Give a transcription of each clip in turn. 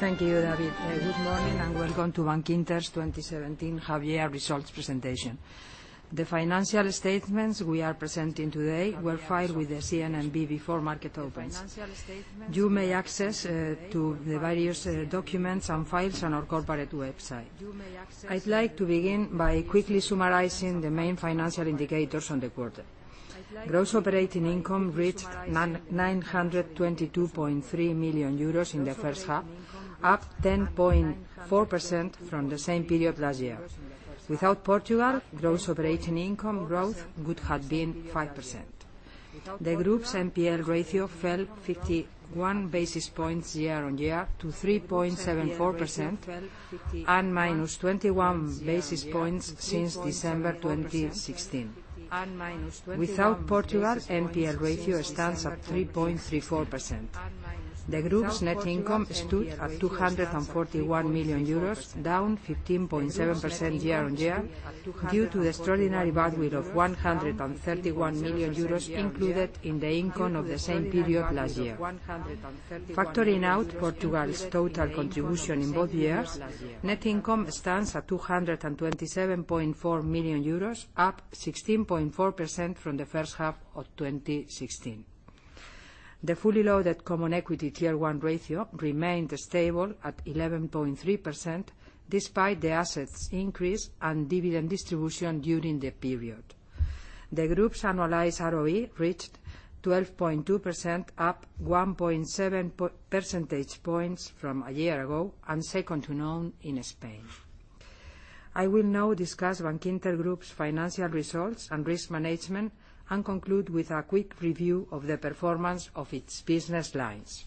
Thank you, David. Good morning, and welcome to Bankinter's 2017 half-year results presentation. The financial statements we are presenting today were filed with the CNMV before market opens. You may access to the various documents and files on our corporate website. I'd like to begin by quickly summarizing the main financial indicators on the quarter. Gross operating income reached 922.3 million euros in the first half, up 10.4% from the same period last year. Without Portugal, gross operating income growth would have been 5%. The group's NPL ratio fell 51 basis points year-on-year to 3.74%, and minus 21 basis points since December 2016. Without Portugal, NPL ratio stands at 3.34%. The group's net income stood at 241 million euros, down 15.7% year-on-year, due to extraordinary goodwill of 131 million euros included in the income of the same period last year. Factoring out Portugal's total contribution in both years, net income stands at 227.4 million euros, up 16.4% from the first half of 2016. The fully loaded common equity Tier 1 ratio remained stable at 11.3%, despite the assets increase and dividend distribution during the period. The group's annualized ROE reached 12.2%, up 1.7 percentage points from a year ago, and second to none in Spain. I will now discuss Bankinter Group's financial results and risk management, and conclude with a quick review of the performance of its business lines.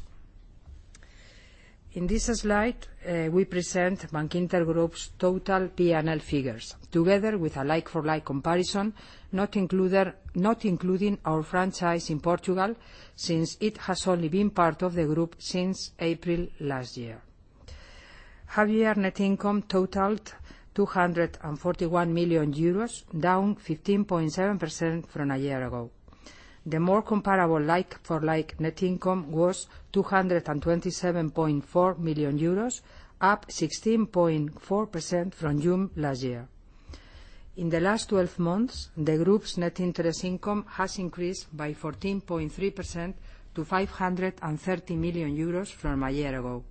In this slide, we present Bankinter Group's total P&L figures, together with a like-for-like comparison, not including our franchise in Portugal, since it has only been part of the group since April last year. Half-year net income totaled 241 million euros, down 15.7% from a year ago. The more comparable like-for-like net income was 227.4 million euros, up 16.4% from June last year. In the last 12 months, the group's net interest income has increased by 14.3% to 530 million euros from a year ago.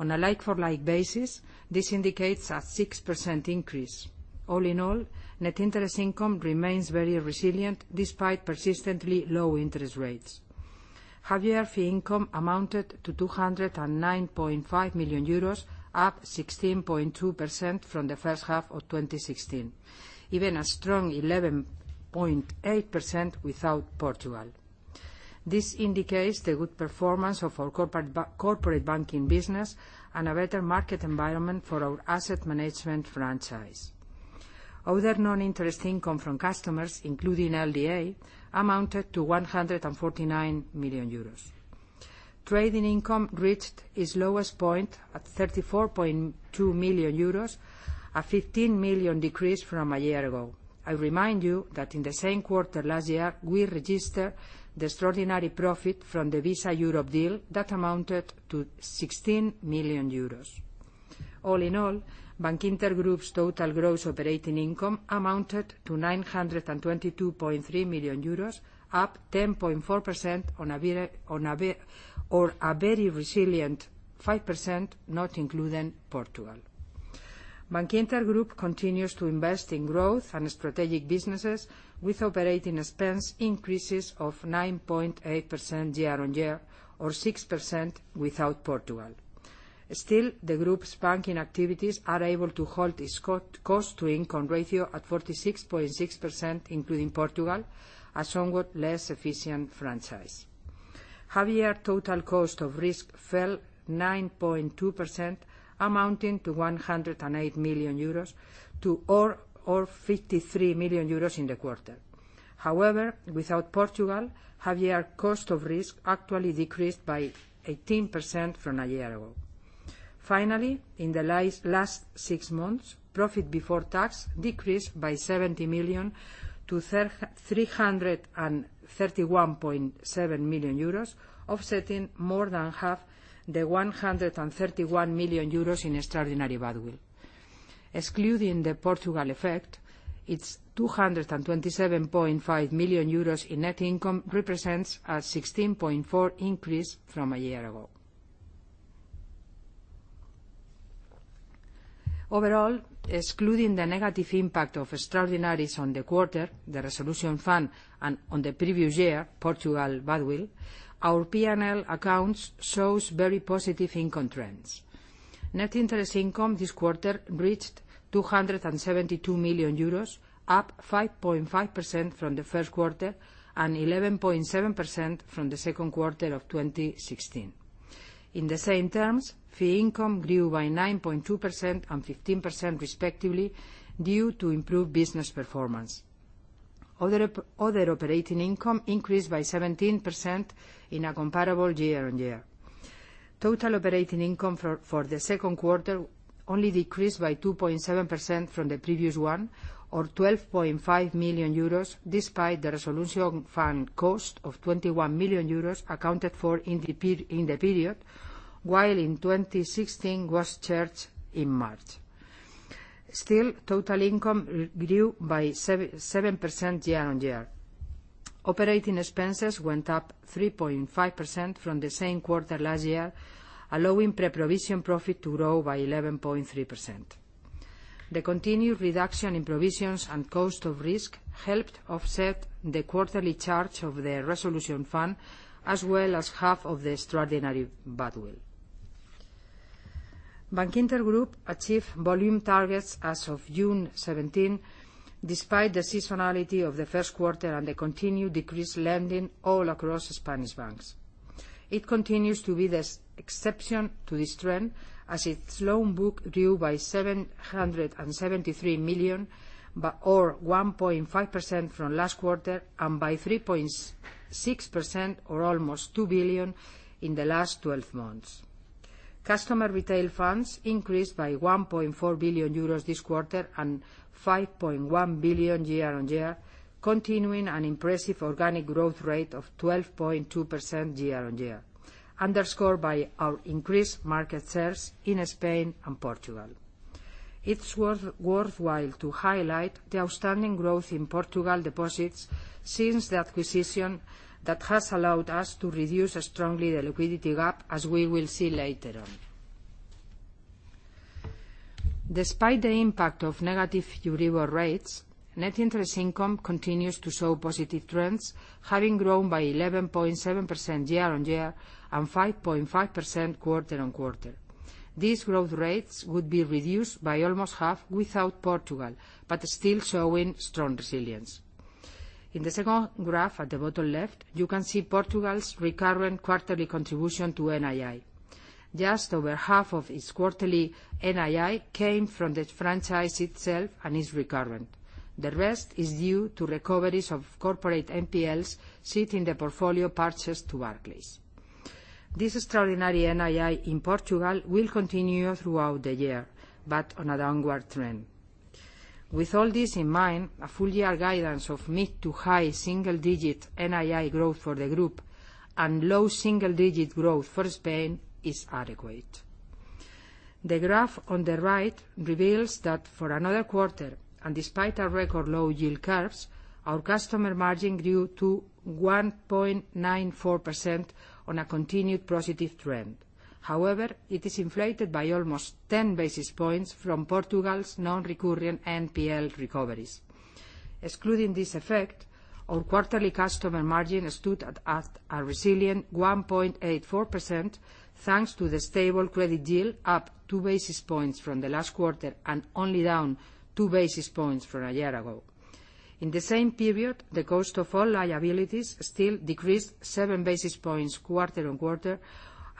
On a like-for-like basis, this indicates a 6% increase. All in all, net interest income remains very resilient despite persistently low interest rates. Half-year fee income amounted to 209.5 million euros, up 16.2% from the first half of 2016. Even a strong 11.8% without Portugal. This indicates the good performance of our corporate banking business and a better market environment for our asset management franchise. Other non-interest income from customers, including LDA, amounted to 149 million euros. Trading income reached its lowest point at 34.2 million euros, a 15 million decrease from a year ago. I remind you that in the same quarter last year, we registered the extraordinary profit from the Visa Europe deal that amounted to 16 million euros. All in all, Bankinter Group's total gross operating income amounted to 922.3 million euros, up 10.4%, or a very resilient 5% not including Portugal. Bankinter Group continues to invest in growth and strategic businesses with operating expense increases of 9.8% year-on-year or 6% without Portugal. Still, the group's banking activities are able to hold its cost to income ratio at 46.6%, including Portugal, a somewhat less efficient franchise. Half-year total cost of risk fell 9.2%, amounting to 108 million euros or 53 million euros in the quarter. However, without Portugal, half-year cost of risk actually decreased by 18% from a year ago. Finally, in the last six months, profit before tax decreased by 70 million to 331.7 million euros, offsetting more than half the 131 million euros in extraordinary goodwill. Excluding the Portugal effect, its 227.5 million euros in net income represents a 16.4% increase from a year ago. Overall, excluding the negative impact of extraordinaries on the quarter, the resolution fund, and on the previous year, Portugal goodwill, our P&L accounts shows very positive income trends. Net interest income this quarter reached 272 million euros, up 5.5% from the first quarter and 11.7% from the second quarter of 2016. In the same terms, fee income grew by 9.2% and 15%, respectively, due to improved business performance. Other operating income increased by 17% in a comparable year-on-year. Total operating income for the second quarter only decreased by 2.7% from the previous one, or 12.5 million euros, despite the resolution fund cost of 21 million euros accounted for in the period, while in 2016 was charged in March. Still, total income grew by 7% year-on-year. Operating expenses went up 3.5% from the same quarter last year, allowing pre-provision profit to grow by 11.3%. The continued reduction in provisions and cost of risk helped offset the quarterly charge of the resolution fund, as well as half of the extraordinary goodwill. Bankinter Group achieved volume targets as of June 17, despite the seasonality of the first quarter and the continued decreased lending all across Spanish banks. It continues to be the exception to this trend, as its loan book grew by 773 million, or 1.5% from last quarter, and by 3.6%, or almost 2 billion, in the last 12 months. Customer retail funds increased by 1.4 billion euros this quarter and 5.1 billion year-on-year, continuing an impressive organic growth rate of 12.2% year-on-year, underscored by our increased market shares in Spain and Portugal. It's worthwhile to highlight the outstanding growth in Portugal deposits since the acquisition that has allowed us to reduce strongly the liquidity gap, as we will see later on. Despite the impact of negative Euribor rates, net interest income continues to show positive trends, having grown by 11.7% year-on-year and 5.5% quarter-on-quarter. These growth rates would be reduced by almost half without Portugal, but still showing strong resilience. In the second graph at the bottom left, you can see Portugal's recurrent quarterly contribution to NII. Just over half of its quarterly NII came from the franchise itself and is recurrent. The rest is due to recoveries of corporate NPLs sitting the portfolio purchased to Barclays. This extraordinary NII in Portugal will continue throughout the year, but on a downward trend. With all this in mind, a full year guidance of mid-to-high single digit NII growth for the group and low single digit growth for Spain is adequate. The graph on the right reveals that for another quarter, and despite our record low yield curves, our customer margin grew to 1.94% on a continued positive trend. However, it is inflated by almost 10 basis points from Portugal's non-recurring NPL recoveries. Excluding this effect, our quarterly customer margin stood at a resilient 1.84%, thanks to the stable credit yield, up two basis points from the last quarter, and only down two basis points from a year ago. In the same period, the cost of all liabilities still decreased seven basis points quarter-on-quarter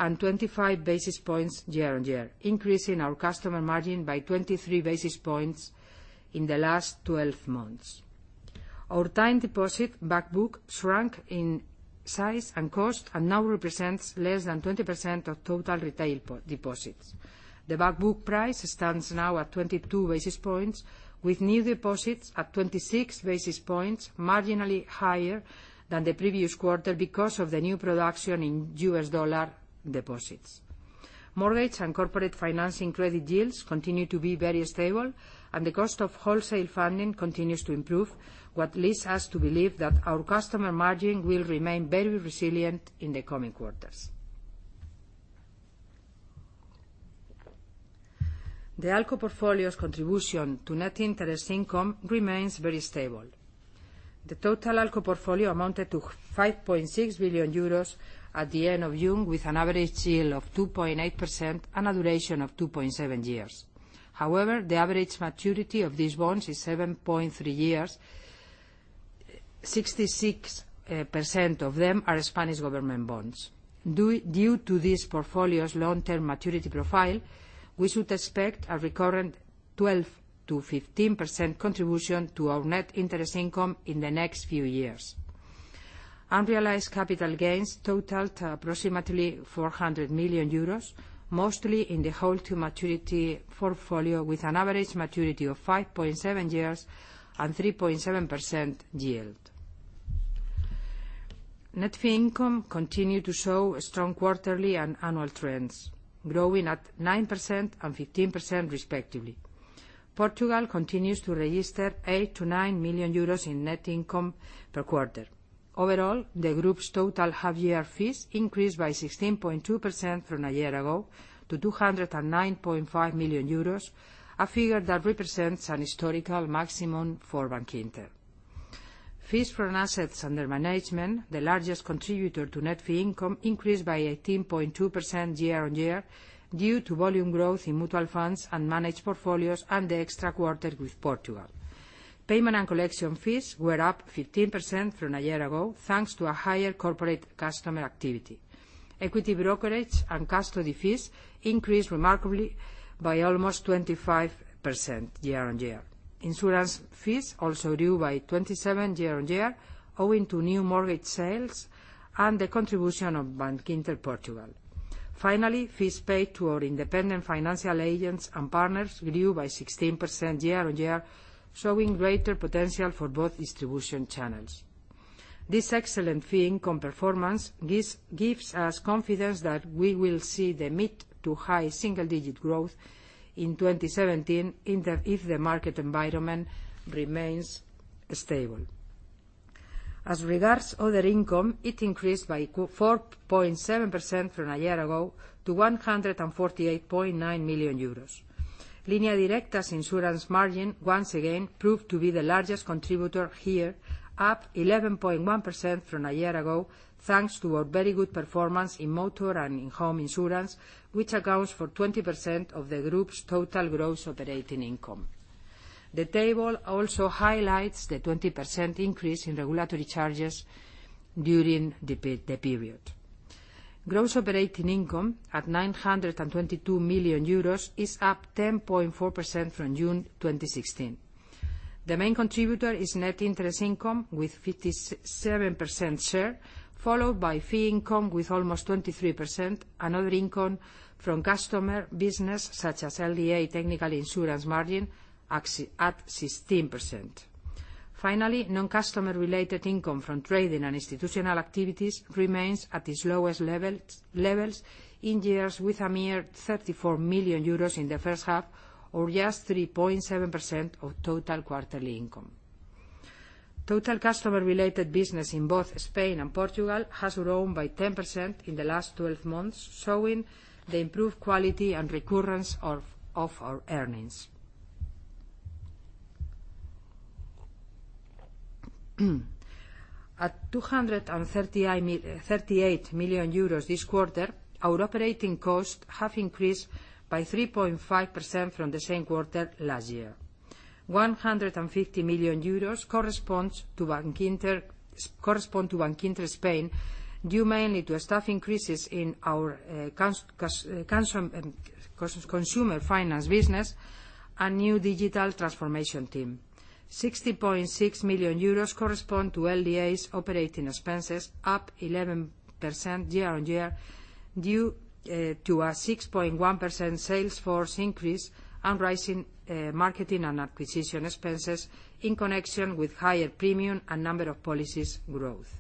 and 25 basis points year-on-year, increasing our customer margin by 23 basis points in the last 12 months. Our time deposit back book shrunk in size and cost and now represents less than 20% of total retail deposits. The back book price stands now at 22 basis points, with new deposits at 26 basis points, marginally higher than the previous quarter because of the new production in USD deposits. Mortgage and corporate financing credit yields continue to be very stable, and the cost of wholesale funding continues to improve, what leads us to believe that our customer margin will remain very resilient in the coming quarters. The ALCO portfolio's contribution to net interest income remains very stable. The total ALCO portfolio amounted to 5.6 billion euros at the end of June, with an average yield of 2.8% and a duration of 2.7 years. However, the average maturity of these bonds is 7.3 years, 66% of them are Spanish government bonds. Due to this portfolio's long-term maturity profile, we should expect a recurrent 12%-15% contribution to our net interest income in the next few years. Unrealized capital gains totaled approximately 400 million euros, mostly in the hold-to-maturity portfolio, with an average maturity of 5.7 years and 3.7% yield. Net fee income continued to show strong quarterly and annual trends, growing at 9% and 15%, respectively. Portugal continues to register 8 million-9 million euros in net income per quarter. Overall, the group's total half-year fees increased by 16.2% from a year ago to 209.5 million euros, a figure that represents an historical maximum for Bankinter. Fees from assets under management, the largest contributor to net fee income, increased by 18.2% year-over-year due to volume growth in mutual funds and managed portfolios and the extra quarter with Portugal. Payment and collection fees were up 15% from a year ago, thanks to a higher corporate customer activity. Equity brokerage and custody fees increased remarkably by almost 25% year-over-year. Insurance fees also grew by 27% year-over-year, owing to new mortgage sales and the contribution of Bankinter Portugal. Finally, fees paid to our independent financial agents and partners grew by 16% year-over-year, showing greater potential for both distribution channels. This excellent fee income performance gives us confidence that we will see the mid to high single-digit growth in 2017, if the market environment remains stable. As regards other income, it increased by 4.7% from a year ago to 148.9 million euros. Línea Directa's insurance margin, once again, proved to be the largest contributor here, up 11.1% from a year ago, thanks to our very good performance in motor and in home insurance, which accounts for 20% of the group's total gross operating income. The table also highlights the 20% increase in regulatory charges during the period. Gross operating income, at 922 million euros, is up 10.4% from June 2016. The main contributor is net interest income with 57% share, followed by fee income with almost 23%, and other income from customer business such as LDA technical insurance margin at 16%. Finally, non-customer related income from trading and institutional activities remains at its lowest levels in years, with a mere 34 million euros in the first half or just 3.7% of total quarterly income. Total customer related business in both Spain and Portugal has grown by 10% in the last 12 months, showing the improved quality and recurrence of our earnings. At 238 million euros this quarter, our operating costs have increased by 3.5% from the same quarter last year. 150 million euros correspond to Bankinter Spain, due mainly to staff increases in our consumer finance business and new digital transformation team. 60.6 million euros correspond to LDA's operating expenses, up 11% year-on-year, due to a 6.1% sales force increase and rising marketing and acquisition expenses in connection with higher premium and number of policies growth.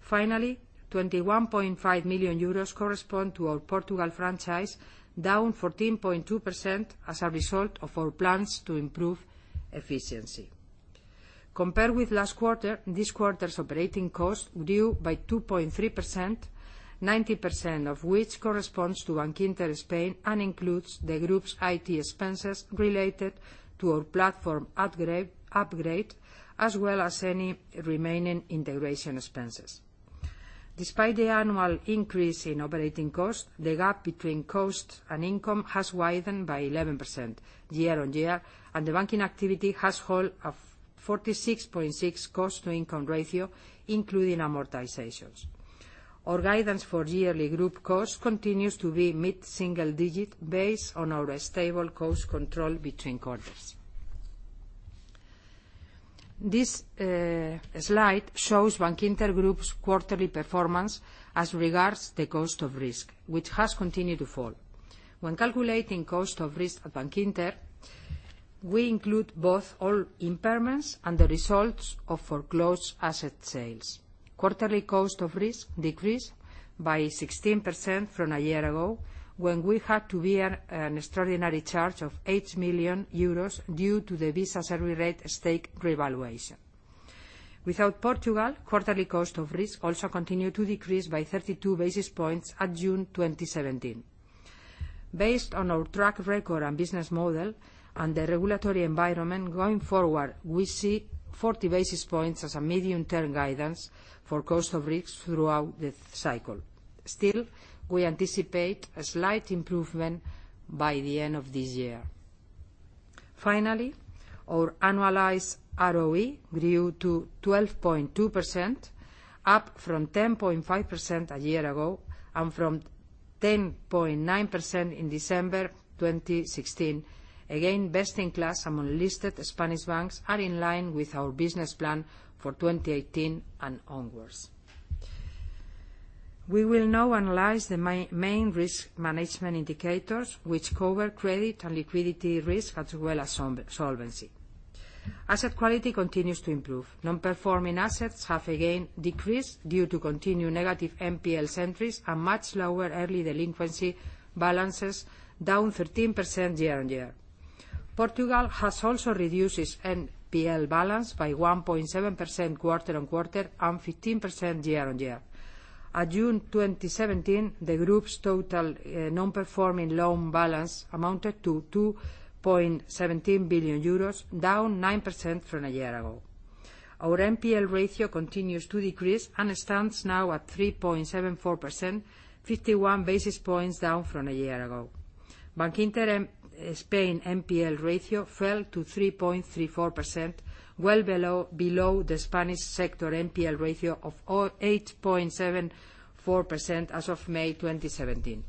Finally, 21.5 million euros correspond to our Portugal franchise, down 14.2% as a result of our plans to improve efficiency. Compared with last quarter, this quarter's operating costs grew by 2.3%, 90% of which corresponds to Bankinter Spain, and includes the group's IT expenses related to our platform upgrade, as well as any remaining integration expenses. Despite the annual increase in operating costs, the gap between cost and income has widened by 11% year-on-year, and the banking activity has held a 46.6 cost-to-income ratio, including amortizations. Our guidance for yearly group costs continues to be mid-single-digit, based on our stable cost control between quarters. This slide shows Bankinter Group's quarterly performance as regards to the cost of risk, which has continued to fall. When calculating cost of risk at Bankinter, we include both all impairments and the results of foreclosed asset sales. Quarterly cost of risk decreased by 16% from a year ago, when we had to bear an extraordinary charge of 8 million euros due to the Visa Europe stake revaluation. Without Portugal, quarterly cost of risk also continued to decrease by 32 basis points at June 2017. Based on our track record and business model and the regulatory environment going forward, we see 40 basis points as a medium-term guidance for cost of risk throughout the cycle. Still, we anticipate a slight improvement by the end of this year. Finally, our annualized ROE grew to 12.2%, up from 10.5% a year ago and from 10.9% in December 2016. Again, best in class among listed Spanish banks are in line with our business plan for 2018 and onwards. We will now analyze the main risk management indicators, which cover credit and liquidity risk, as well as solvency. Asset quality continues to improve. Non-performing assets have again decreased due to continued negative NPL entries and much lower early delinquency balances, down 13% year-on-year. Portugal has also reduced its NPL balance by 1.7% quarter-on-quarter and 15% year-on-year. At June 2017, the group's total non-performing loan balance amounted to 2.17 billion euros, down 9% from a year ago. Our NPL ratio continues to decrease and stands now at 3.74%, 51 basis points down from a year ago. Bankinter Spain NPL ratio fell to 3.34%, well below the Spanish sector NPL ratio of 8.74% as of May 2017.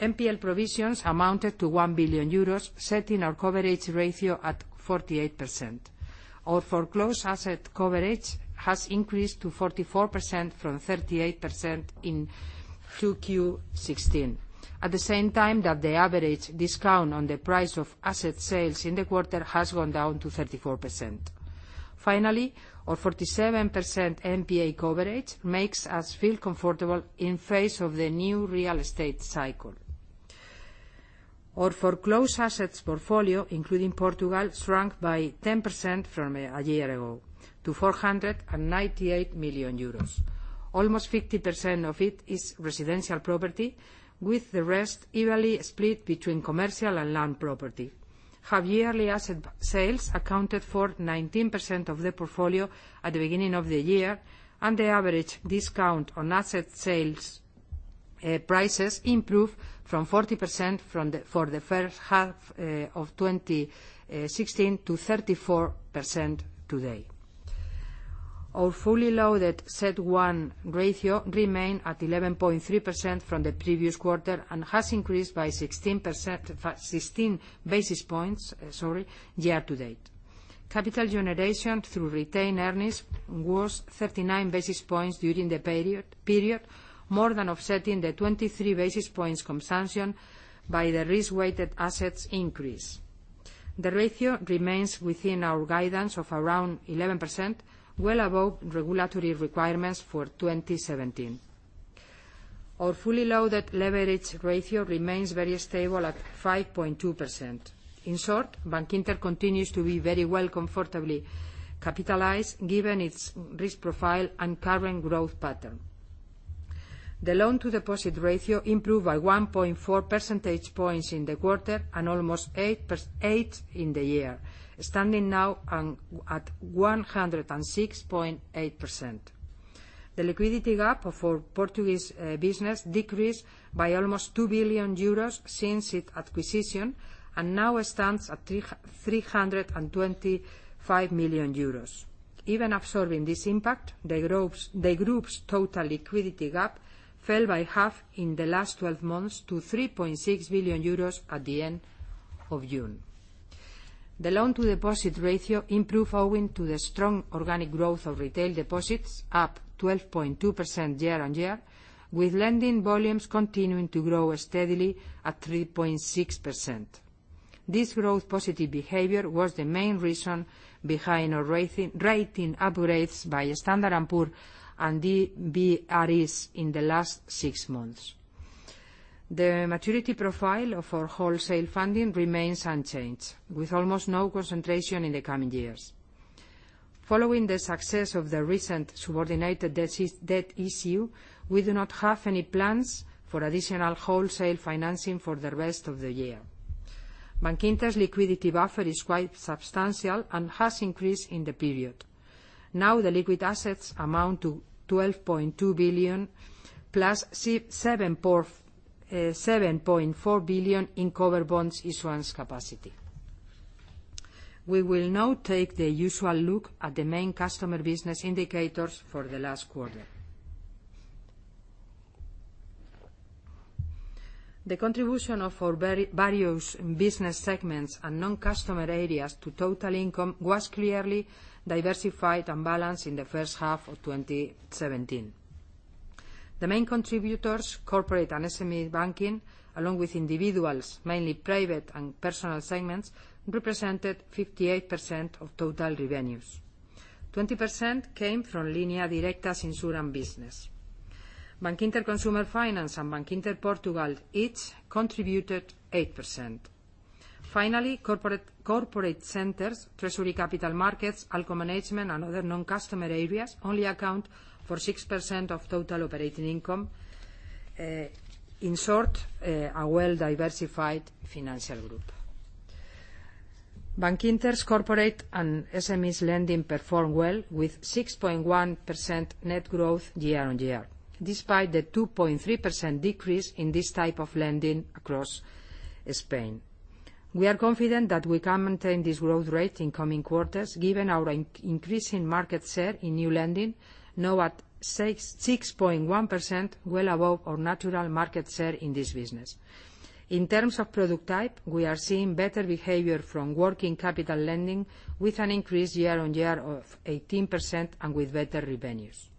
NPL provisions amounted to 1 billion euros, setting our coverage ratio at 48%. Our foreclosed asset coverage has increased to 44% from 38% in 2Q 2016, at the same time that the average discount on the price of asset sales in the quarter has gone down to 34%. Finally, our 47% NPA coverage makes us feel comfortable in face of the new real estate cycle. Our foreclosed assets portfolio, including Portugal, shrunk by 10% from a year ago to 498 million euros. Almost 50% of it is residential property, with the rest evenly split between commercial and land property. Half-yearly asset sales accounted for 19% of the portfolio at the beginning of the year, and the average discount on asset sales prices improved from 40% for the first half of 2016 to 34% today. Our fully loaded CET1 ratio remained at 11.3% from the previous quarter and has increased by 16 basis points year to date. Capital generation through retained earnings was 39 basis points during the period, more than offsetting the 23 basis points consumption by the risk-weighted assets increase. The ratio remains within our guidance of around 11%, well above regulatory requirements for 2017. Our fully loaded leverage ratio remains very stable at 5.2%. In short, Bankinter continues to be very well comfortably capitalized given its risk profile and current growth pattern. The loan-to-deposit ratio improved by 1.4 percentage points in the quarter and almost eight in the year, standing now at 106.8%. The liquidity gap of our Bankinter Portugal business decreased by almost 2 billion euros since its acquisition, and now stands at 325 million euros. Even absorbing this impact, the Bankinter Group's total liquidity gap fell by half in the last 12 months to 3.6 billion euros at the end of June. The loan-to-deposit ratio improved owing to the strong organic growth of retail deposits, up 12.2% year-on-year, with lending volumes continuing to grow steadily at 3.6%. This growth positive behavior was the main reason behind our rating upgrades by Standard & Poor's and DBRS in the last six months. The maturity profile of our wholesale funding remains unchanged, with almost no concentration in the coming years. Following the success of the recent subordinated debt issue, we do not have any plans for additional wholesale financing for the rest of the year. Bankinter's liquidity buffer is quite substantial and has increased in the period. Now the liquid assets amount to 12.2 billion, plus 7.4 billion in covered bonds issuance capacity. We will now take the usual look at the main customer business indicators for the last quarter. The contribution of our various business segments and non-customer areas to total income was clearly diversified and balanced in the first half of 2017. The main contributors, corporate and SME banking, along with individuals, mainly private and personal segments, represented 58% of total revenues. 20% came from Línea Directa's insurance business. Bankinter Consumer Finance and Bankinter Portugal each contributed 8%. Finally, corporate centers, treasury capital markets, ALCO management, and other non-customer areas only account for 6% of total operating income. In short, a well-diversified financial group. Bankinter's corporate and SMEs lending performed well with 6.1% net growth year-on-year, despite the 2.3% decrease in this type of lending across Spain. We are confident that we can maintain this growth rate in coming quarters given our increasing market share in new lending, now at 6.1%, well above our natural market share in this business. In terms of product type, we are seeing better behavior from working capital lending with an increase year-on-year of 18% and with better revenues.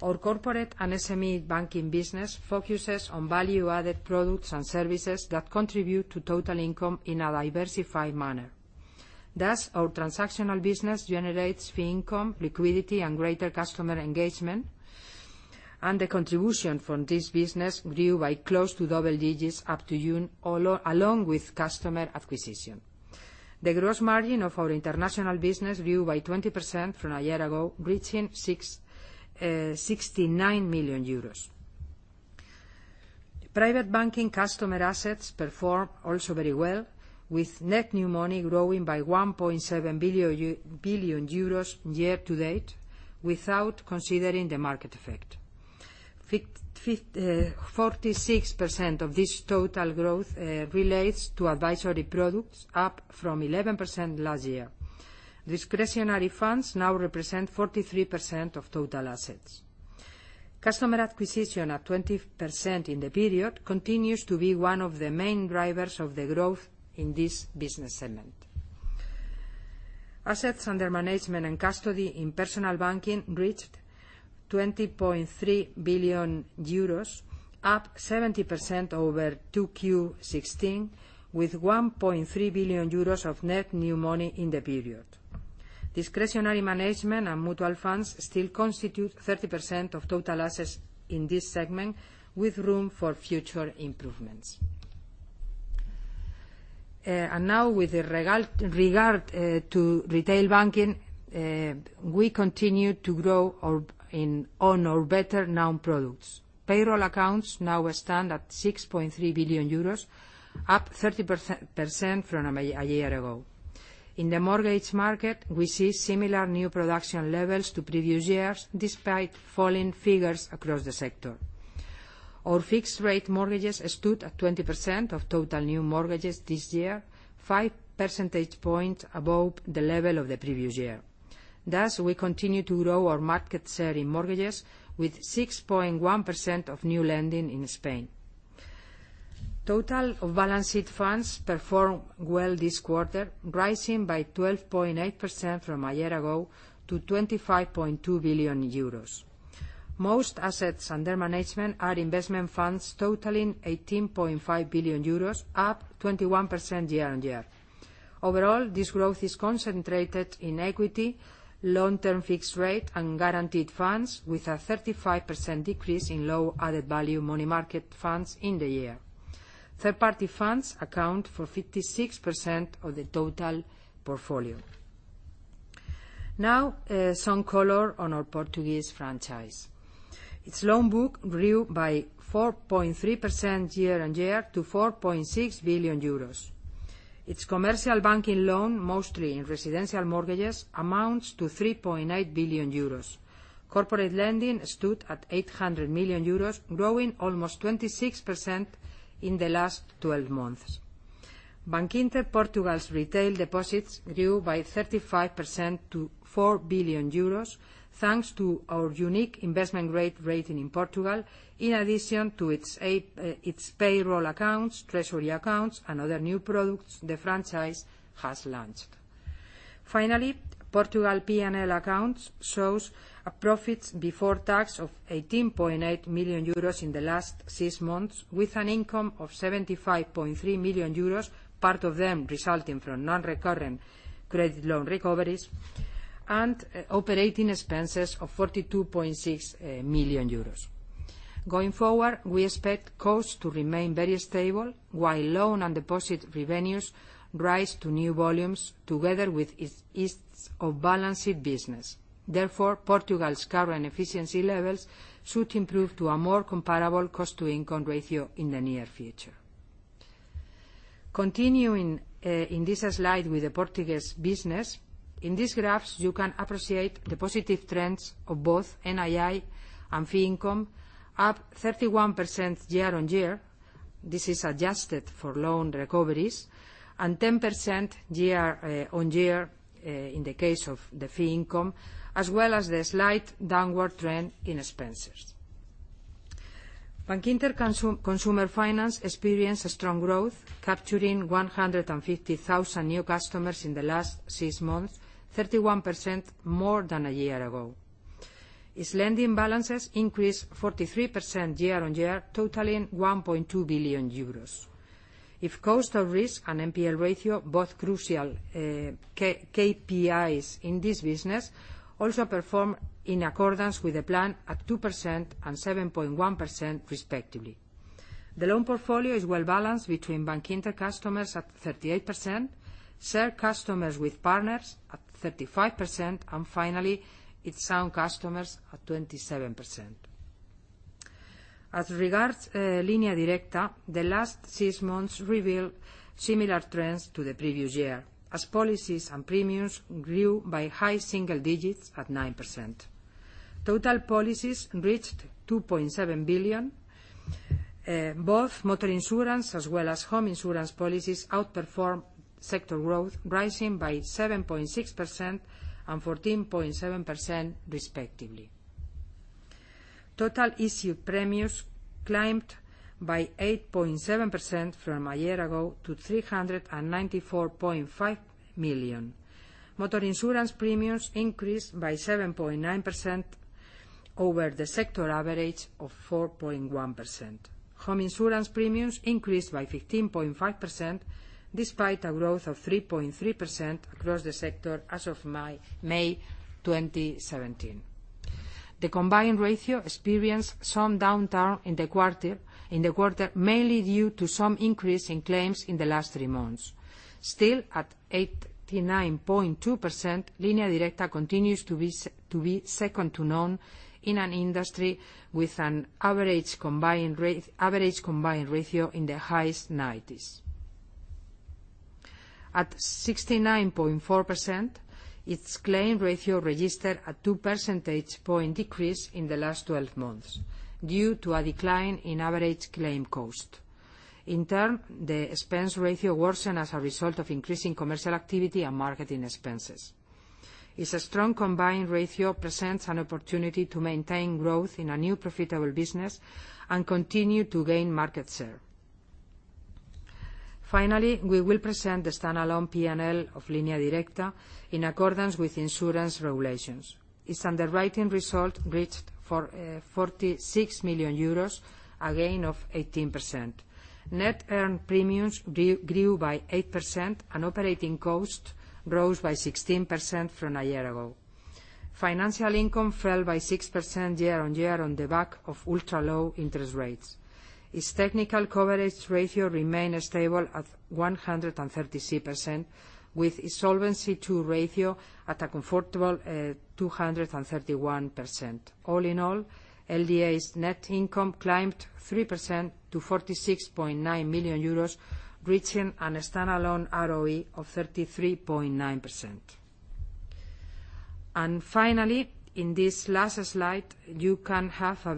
Our corporate and SME banking business focuses on value-added products and services that contribute to total income in a diversified manner. Thus, our transactional business generates fee income, liquidity, and greater customer engagement, and the contribution from this business grew by close to double digits up to June, along with customer acquisition. The gross margin of our international business grew by 20% from a year ago, reaching 69 million euros. Private banking customer assets performed also very well, with net new money growing by 1.7 billion euros year to date without considering the market effect. 46% of this total growth relates to advisory products, up from 11% last year. Discretionary funds now represent 43% of total assets. Customer acquisition at 20% in the period continues to be one of the main drivers of the growth in this business segment. Assets under management and custody in personal banking reached 20.3 billion euros, up 70% over 2Q16, with 1.3 billion euros of net new money in the period. Discretionary management and mutual funds still constitute 30% of total assets in this segment, with room for future improvements. Now, with regard to retail banking, we continue to grow on our better known products. Payroll accounts now stand at 6.3 billion euros, up 30% from a year ago. In the mortgage market, we see similar new production levels to previous years, despite falling figures across the sector. Our fixed rate mortgages stood at 20% of total new mortgages this year, five percentage points above the level of the previous year. Thus, we continue to grow our market share in mortgages, with 6.1% of new lending in Spain. Total balanced funds performed well this quarter, rising by 12.8% from a year ago to 25.2 billion euros. Most assets under management are investment funds totaling 18.5 billion euros, up 21% year on year. Overall, this growth is concentrated in equity, long-term fixed rate, and guaranteed funds, with a 35% decrease in low added value money market funds in the year. Third-party funds account for 56% of the total portfolio. Some color on our Portuguese franchise. Its loan book grew by 4.3% year on year to EUR 4.6 billion. Its commercial banking loan, mostly in residential mortgages, amounts to 3.8 billion euros. Corporate lending stood at 800 million euros, growing almost 26% in the last 12 months. Bankinter Portugal's retail deposits grew by 35% to 4 billion euros, thanks to our unique investment grade rating in Portugal, in addition to its payroll accounts, treasury accounts, and other new products the franchise has launched. Portugal P&L accounts shows a profit before tax of 18.8 million euros in the last six months, with an income of 75.3 million euros, part of them resulting from non-recurrent credit loan recoveries, and operating expenses of 42.6 million euros. Going forward, we expect costs to remain very stable while loan and deposit revenues rise to new volumes together with its off-balance sheet business. Portugal's current efficiency levels should improve to a more comparable cost-to-income ratio in the near future. Continuing in this slide with the Portuguese business, in these graphs, you can appreciate the positive trends of both NII and fee income, up 31% year on year. This is adjusted for loan recoveries and 10% year on year in the case of the fee income, as well as the slight downward trend in expenses. Bankinter Consumer Finance experienced a strong growth, capturing 150,000 new customers in the last six months, 31% more than a year ago. Its lending balances increased 43% year on year, totaling 1.2 billion euros. Its cost of risk and NPL ratio, both crucial KPIs in this business, also perform in accordance with the plan at 2% and 7.1% respectively. The loan portfolio is well-balanced between Bankinter customers at 38%, served customers with partners at 35%, and finally, its own customers at 27%. As regards Línea Directa, the last six months revealed similar trends to the previous year, as policies and premiums grew by high single digits at 9%. Total policies reached 2.7 billion. Both motor insurance as well as home insurance policies outperformed sector growth, rising by 7.6% and 14.7% respectively. Total issued premiums climbed by 8.7% from a year ago to 394.5 million. Motor insurance premiums increased by 7.9% over the sector average of 4.1%. Home insurance premiums increased by 15.5%, despite a growth of 3.3% across the sector as of May 2017. The combined ratio experienced some downturn in the quarter, mainly due to some increase in claims in the last three months. Still, at 89.2%, Línea Directa continues to be second to none in an industry with an average combined ratio in the highest 90s. At 69.4%, its claim ratio registered a two percentage point decrease in the last 12 months due to a decline in average claim cost. Its expense ratio worsened as a result of increasing commercial activity and marketing expenses. Its strong combined ratio presents an opportunity to maintain growth in a new profitable business and continue to gain market share. Finally, we will present the standalone P&L of Línea Directa in accordance with insurance regulations. Its underwriting result reached for 46 million euros, a gain of 18%. Net earned premiums grew by 8%, and operating cost rose by 16% from a year ago. Financial income fell by 6% year-on-year on the back of ultra-low interest rates. Its technical coverage ratio remained stable at 133%, with a Solvency II ratio at a comfortable 231%. All in all, LDA's net income climbed 3% to 46.9 million euros, reaching a standalone ROE of 33.9%. Finally, in this last slide, you can have a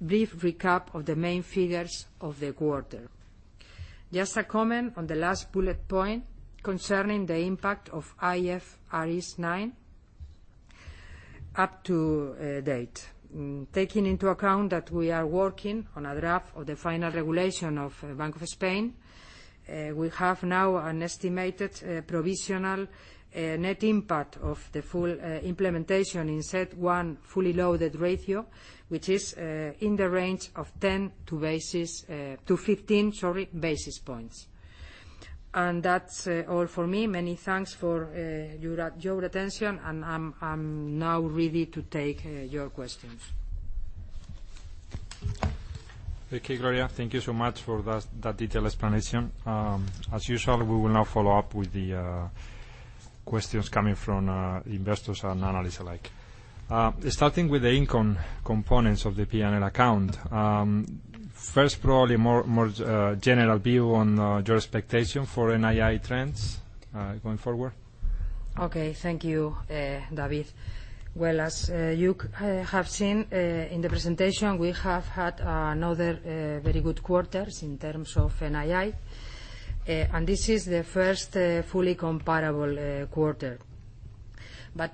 brief recap of the main figures of the quarter. Just a comment on the last bullet point concerning the impact of IFRS 9 up to date. Taking into account that we are working on a draft of the final regulation of Bank of Spain, we have now an estimated provisional net impact of the full implementation in CET1 fully loaded ratio, which is in the range of 10-15 basis points. That's all for me. Many thanks for your attention, and I'm now ready to take your questions. Okay, Gloria, thank you so much for that detailed explanation. As usual, we will now follow up with the questions coming from investors and analysts alike. Starting with the income components of the P&L account. First, probably more general view on your expectation for NII trends going forward. Okay. Thank you, David. As you have seen in the presentation, we have had another very good quarter in terms of NII, this is the first fully comparable quarter.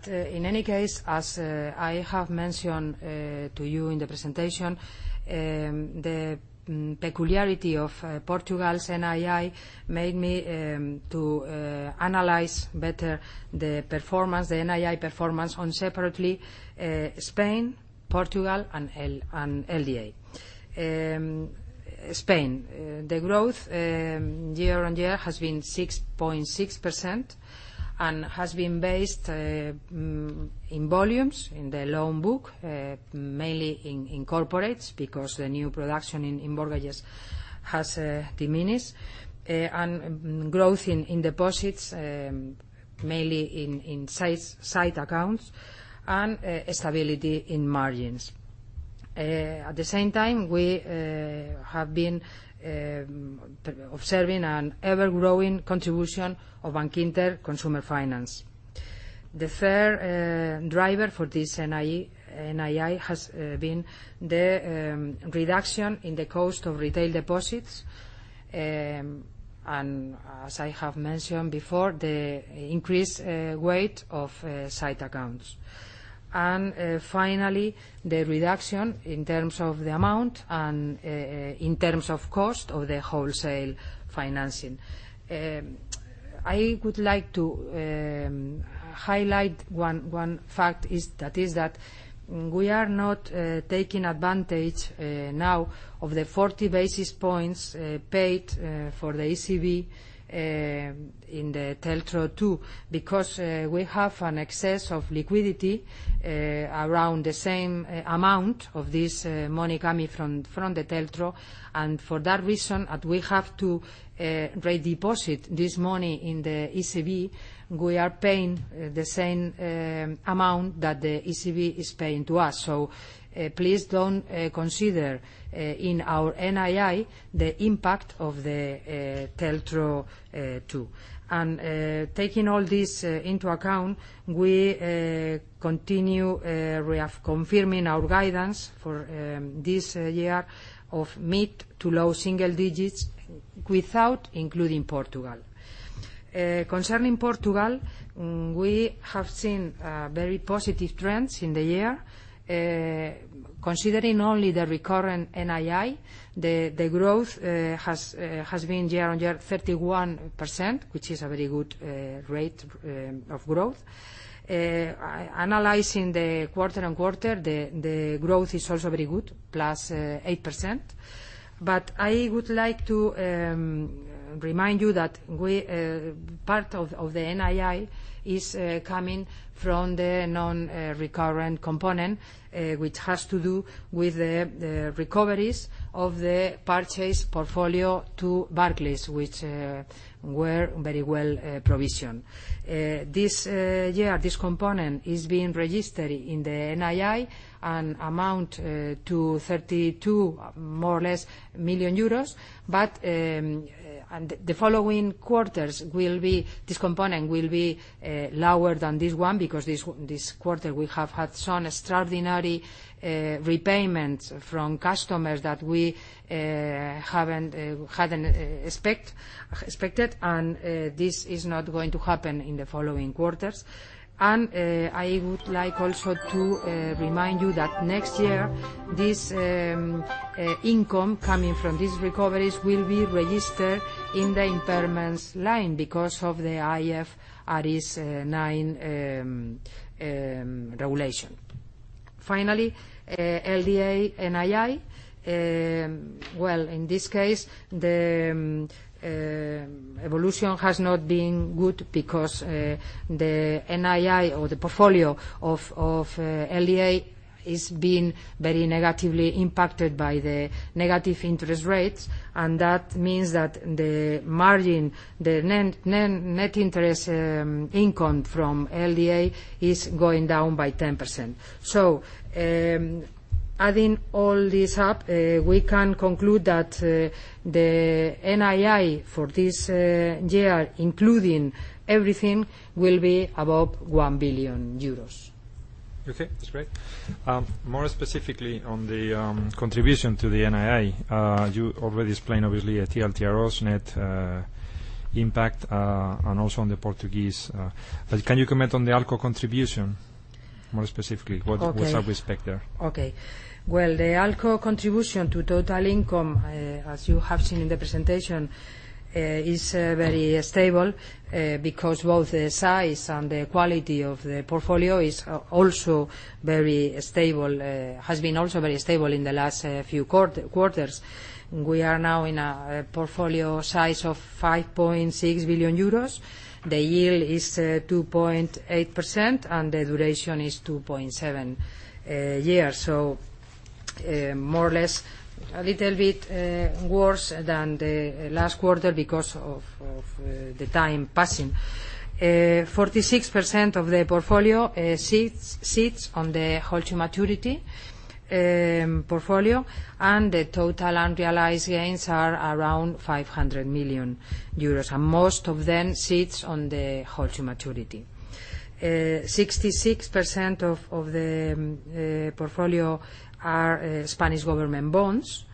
In any case, as I have mentioned to you in the presentation, the peculiarity of Portugal's NII made me to analyze better the NII performance separately, Spain, Portugal, and LDA. Spain, the growth year-over-year has been 6.6% and has been based in volumes in the loan book, mainly in corporates, because the new production in mortgages has diminished. Growth in deposits, mainly in sight accounts, and stability in margins. At the same time, we have been observing an ever-growing contribution of Bankinter Consumer Finance. The third driver for this NII has been the reduction in the cost of retail deposits, as I have mentioned before, the increased weight of sight accounts. Finally, the reduction in terms of the amount and in terms of cost of the wholesale financing. I would like to highlight one fact is that we are not taking advantage now of the 40 basis points paid for the ECB in the TLTRO II, because we have an excess of liquidity around the same amount of this money coming from the TLTRO. For that reason, we have to redeposit this money in the ECB, we are paying the same amount that the ECB is paying to us. Please don't consider in our NII the impact of the TLTRO II. Taking all this into account, we have confirming our guidance for this year of mid to low single digits without including Portugal. Concerning Portugal, we have seen very positive trends in the year. Considering only the recurrent NII, the growth has been year-over-year 31%, which is a very good rate of growth. Analyzing the quarter-over-quarter, the growth is also very good, +8%. I would like to remind you that part of the NII is coming from the non-recurrent component, which has to do with the recoveries of the purchase portfolio to Barclays, which were very well provisioned. This year, this component is being registered in the NII and amount to 32 million, more or less. The following quarters, this component will be lower than this one because this quarter we have had some extraordinary repayments from customers that we hadn't expected, and this is not going to happen in the following quarters. I would like also to remind you that next year, this income coming from these recoveries will be registered in the impairments line because of the IFRS 9 regulation. Finally, LDA NII. In this case, the evolution has not been good because the NII or the portfolio of LDA is being very negatively impacted by the negative interest rates, and that means that the margin, the net interest income from LDA is going down by 10%. Adding all this up, we can conclude that the NII for this year, including everything, will be above 1 billion euros. Okay. That's great. More specifically on the contribution to the NII, you already explained obviously the LTROs net impact, and also on the Portuguese. Can you comment on the ALCO contribution more specifically? Okay. What's our respect there? Okay. Well, the ALCO contribution to total income, as you have seen in the presentation, is very stable, because both the size and the quality of the portfolio is also very stable, has been also very stable in the last few quarters. We are now in a portfolio size of 5.6 billion euros. The yield is 2.8%, and the duration is 2.7 years. More or less, a little bit worse than the last quarter because of the time passing. 46% of the portfolio sits on the hold-to-maturity portfolio, and the total unrealized gains are around 500 million euros, and most of them sits on the hold-to-maturity. 66% of the portfolio are Spanish government bonds.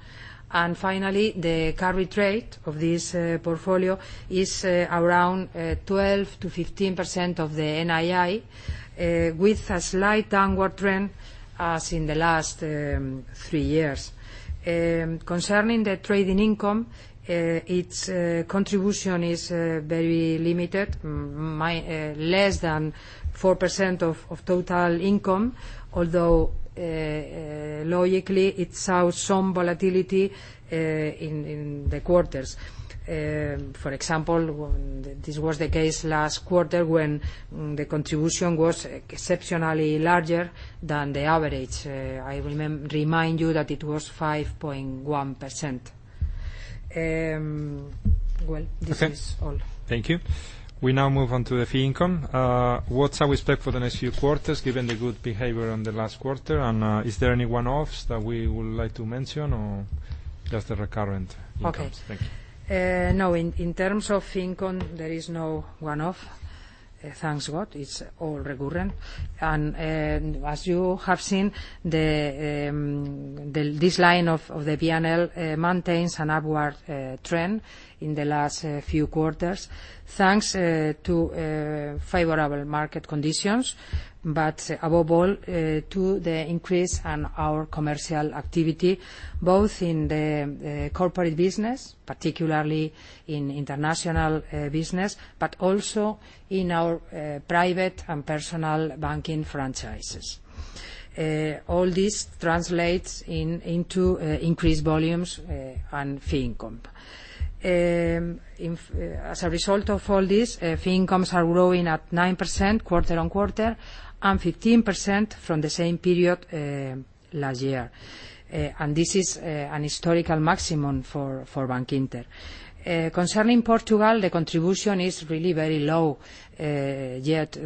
Finally, the carry rate of this portfolio is around 12%-15% of the NII, with a slight downward trend as in the last three years. Concerning the trading income, its contribution is very limited, less than 4% of total income, although logically, it shows some volatility in the quarters. For example, this was the case last quarter when the contribution was exceptionally larger than the average. I remind you that it was 5.1%. Well, this is all. Okay. Thank you. We now move on to the fee income. What's our respect for the next few quarters, given the good behavior on the last quarter? Is there any one-offs that we would like to mention or just the recurrent incomes? Okay. Thank you. No, in terms of fee income, there is no one-off. Thank God, it's all recurrent. As you have seen, this line of the P&L maintains an upward trend in the last few quarters, thanks to favorable market conditions, but above all, to the increase on our commercial activity, both in the corporate business, particularly in international business, but also in our private and personal banking franchises. All this translates into increased volumes and fee income. As a result of all this, fee incomes are growing at 9% quarter-on-quarter and 15% from the same period last year. This is an historical maximum for Bankinter. Concerning Portugal, the contribution is really very low, yet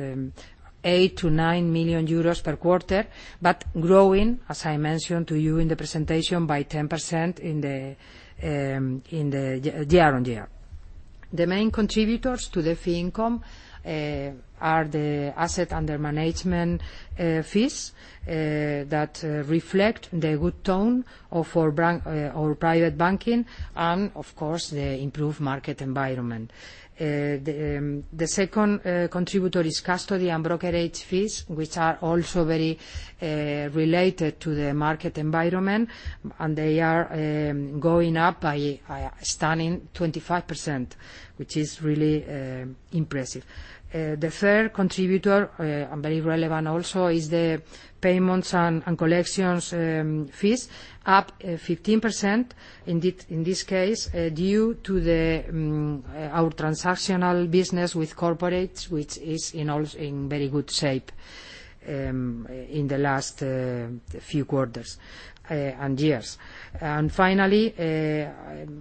8 million-9 million euros per quarter, but growing, as I mentioned to you in the presentation, by 10% in the year-on-year. The main contributors to the fee income are the asset under management fees that reflect the good tone of our private banking and, of course, the improved market environment. The second contributor is custody and brokerage fees, which are also very related to the market environment, and they are going up by a stunning 25%, which is really impressive. The third contributor, very relevant also, is the payments and collections fees, up 15%, in this case, due to our transactional business with corporates, which is in very good shape in the last few quarters and years. Finally,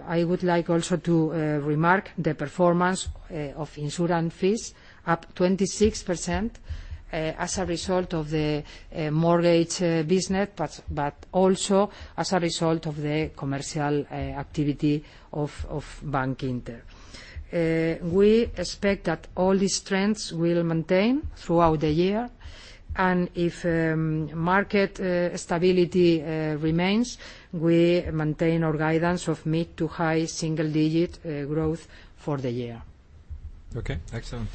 I would like also to remark the performance of insurance fees, up 26%, as a result of the mortgage business, but also as a result of the commercial activity of Bankinter. We expect that all these trends will maintain throughout the year. If market stability remains, we maintain our guidance of mid to high single-digit growth for the year. Okay, excellent.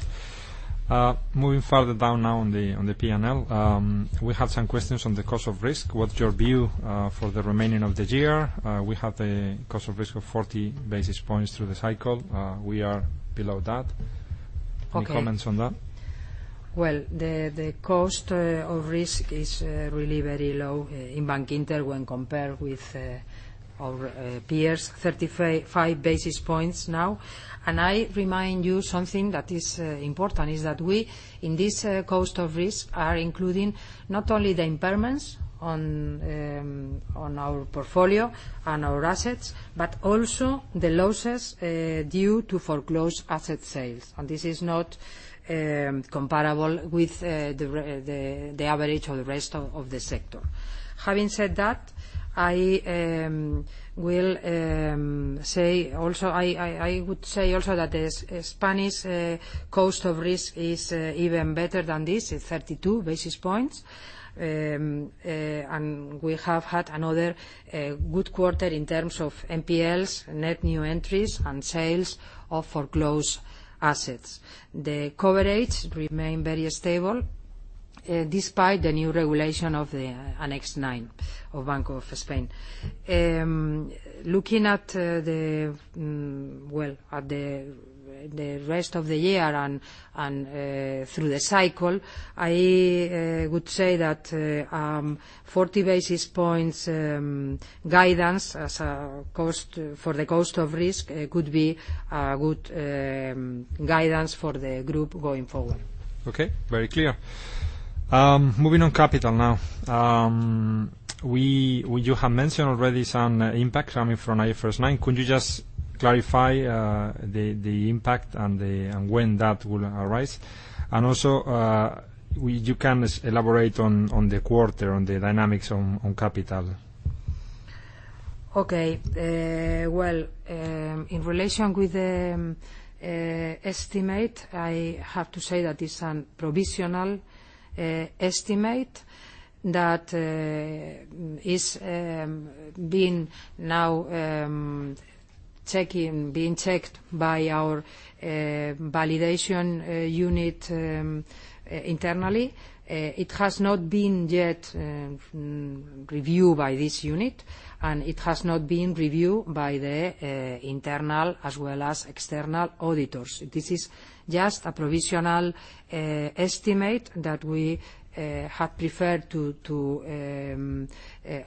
Moving further down now on the P&L. We have some questions on the cost of risk. What's your view for the remaining of the year? We have the cost of risk of 40 basis points through the cycle. We are below that. Okay. Any comments on that? Well, the cost of risk is really very low in Bankinter when compared with our peers, 35 basis points now. I remind you something that is important, is that we, in this cost of risk, are including not only the impairments on our portfolio and our assets, but also the losses due to foreclosed asset sales. This is not comparable with the average of the rest of the sector. Having said that, I would say also that the Spanish cost of risk is even better than this. It's 32 basis points. We have had another good quarter in terms of NPLs, net new entries, and sales of foreclosed assets. The cover rates remain very stable despite the new regulation of the Annex IX of Bank of Spain. Looking at the rest of the year and through the cycle, I would say that 40 basis points guidance for the cost of risk could be a good guidance for the group going forward. Okay. Very clear. Moving on, capital now. You have mentioned already some impact coming from IFRS 9. Could you just clarify the impact and when that will arise? Also, you can elaborate on the quarter, on the dynamics on capital. Okay. Well, in relation with the estimate, I have to say that it's a provisional estimate that is being checked by our validation unit internally. It has not been yet reviewed by this unit, it has not been reviewed by the internal as well as external auditors. This is just a provisional estimate that we have preferred to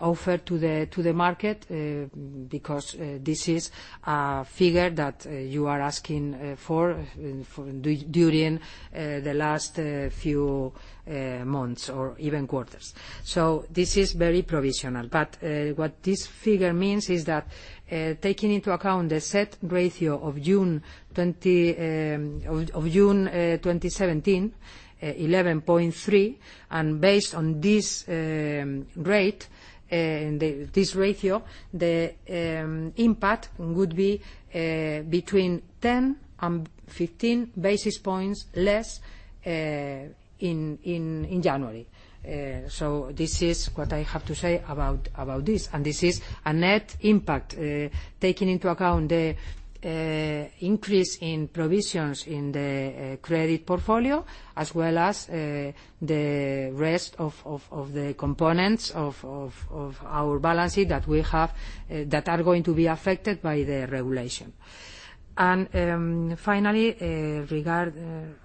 offer to the market, because this is a figure that you are asking for during the last few months, or even quarters. This is very provisional. What this figure means is that, taking into account the CET1 ratio of June 2017, 11.3, and based on this rate, this ratio, the impact would be between 10 and 15 basis points less in January. This is what I have to say about this. This is a net impact, taking into account the increase in provisions in the credit portfolio, as well as the rest of the components of our balance sheet that we have that are going to be affected by the regulation. Finally,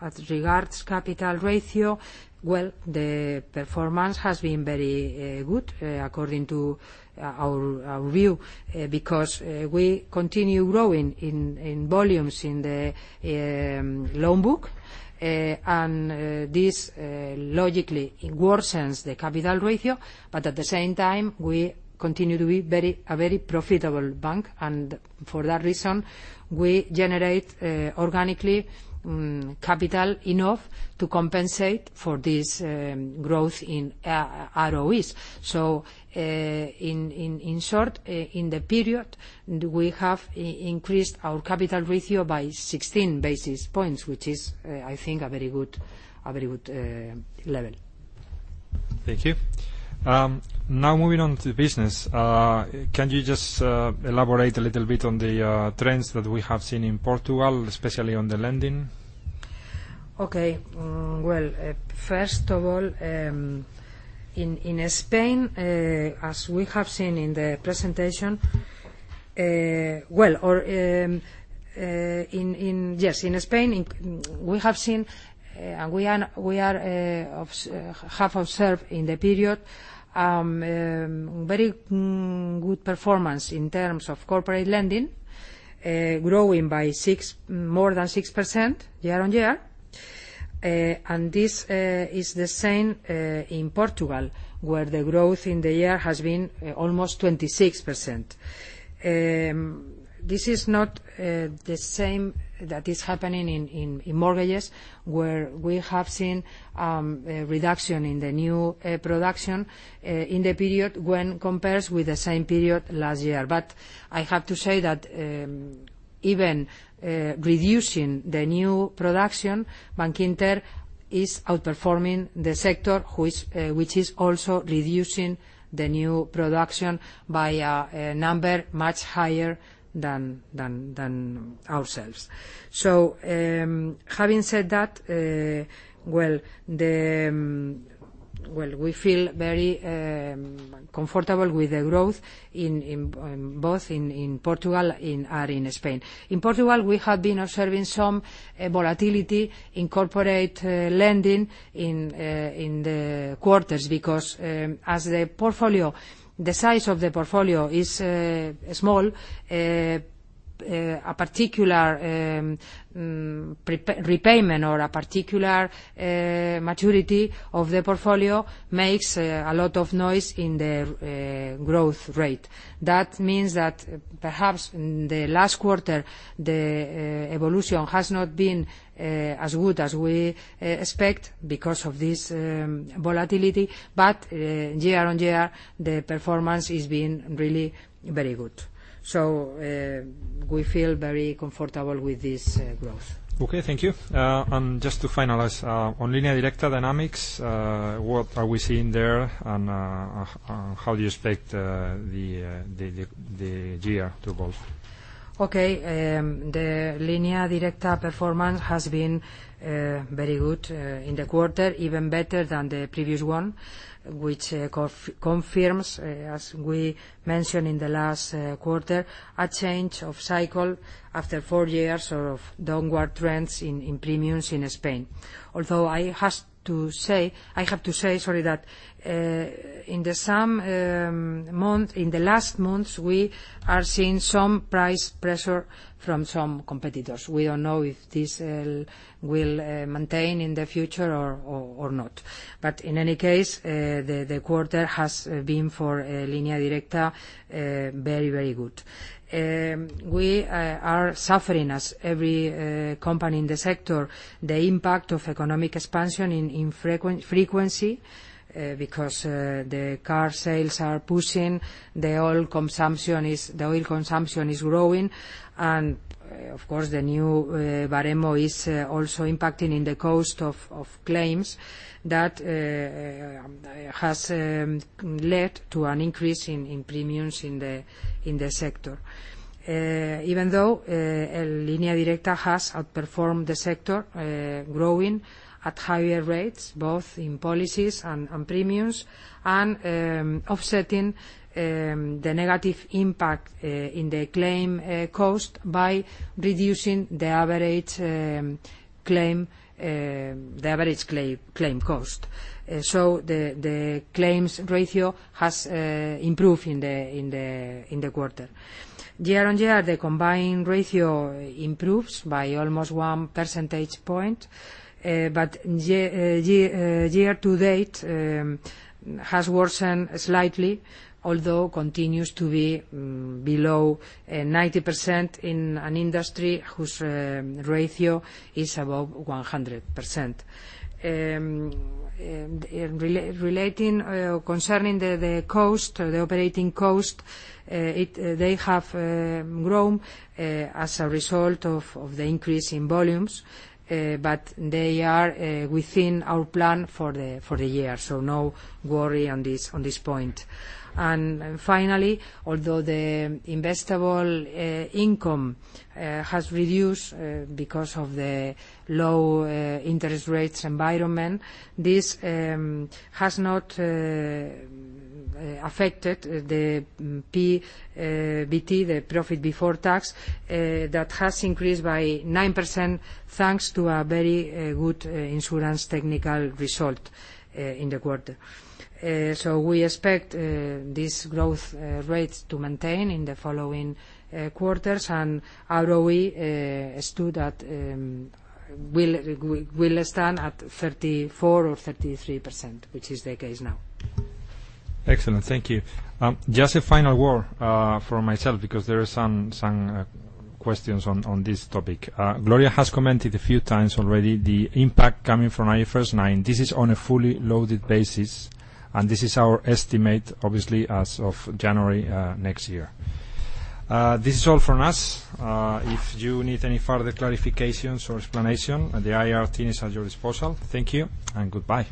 as regards capital ratio, well, the performance has been very good according to our view, because we continue growing in volumes in the loan book. This logically worsens the capital ratio. But at the same time, we continue to be a very profitable bank. For that reason, we generate organically capital enough to compensate for this growth in ROEs. In short, in the period, we have increased our capital ratio by 16 basis points, which is, I think, a very good level. Thank you. Moving on to business. Can you just elaborate a little bit on the trends that we have seen in Portugal, especially on the lending? Okay. First of all, in Spain, as we have seen in the presentation, we have observed in the period very good performance in terms of corporate lending, growing by more than 6% year-on-year. This is the same in Portugal, where the growth in the year has been almost 26%. This is not the same that is happening in mortgages, where we have seen a reduction in the new production in the period when compared with the same period last year. I have to say that even reducing the new production, Bankinter is outperforming the sector, which is also reducing the new production by a number much higher than ourselves. Having said that, we feel very comfortable with the growth both in Portugal and in Spain. In Portugal, we have been observing some volatility in corporate lending in the quarters because as the size of the portfolio is small, a particular repayment or a particular maturity of the portfolio makes a lot of noise in the growth rate. That means that perhaps in the last quarter, the evolution has not been as good as we expect because of this volatility. Year-on-year, the performance is being really very good. We feel very comfortable with this growth. Okay. Thank you. Just to finalize, on Línea Directa dynamics, what are we seeing there? How do you expect the year to evolve? Okay. The Línea Directa performance has been very good in the quarter, even better than the previous one, which confirms, as we mentioned in the last quarter, a change of cycle after four years of downward trends in premiums in Spain. I have to say, sorry, that in the last months, we are seeing some price pressure from some competitors. We don't know if this will maintain in the future or not. In any case, the quarter has been, for Línea Directa, very good. We are suffering, as every company in the sector, the impact of economic expansion in frequency because the car sales are pushing, the oil consumption is growing, and of course, the new Baremo is also impacting in the cost of claims. That has led to an increase in premiums in the sector. Even though Línea Directa has outperformed the sector, growing at higher rates, both in policies and premiums, and offsetting the negative impact in the claim cost by reducing the average claim cost. The claims ratio has improved in the quarter. Year-on-year, the combined ratio improves by almost one percentage point. Year to date has worsened slightly, although continues to be below 90% in an industry whose ratio is above 100%. Concerning the operating cost, they have grown as a result of the increase in volumes, but they are within our plan for the year, so no worry on this point. Finally, although the investable income has reduced because of the low interest rates environment, this has not affected the PBT, the profit before tax. That has increased by 9%, thanks to a very good insurance technical result in the quarter. We expect these growth rates to maintain in the following quarters, and ROE will stand at 34% or 33%, which is the case now. Excellent. Thank you. Just a final word from myself because there are some questions on this topic. Gloria has commented a few times already the impact coming from IFRS 9. This is on a fully loaded basis, and this is our estimate, obviously, as of January next year. This is all from us. If you need any further clarifications or explanation, the IR team is at your disposal. Thank you and goodbye.